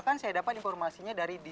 tapi bapak the master ada